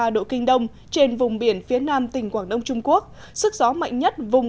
một trăm một mươi ba ba độ kinh đông trên vùng biển phía nam tỉnh quảng đông trung quốc sức gió mạnh nhất vùng